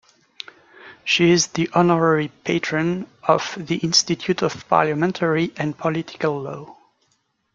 She is the Honorary Patron of the Institute of Parliamentary and Political Law.